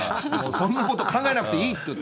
そんなこと考えなくていいって。